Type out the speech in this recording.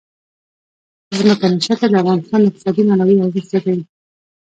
ځمکنی شکل د افغانستان د اقتصادي منابعو ارزښت زیاتوي.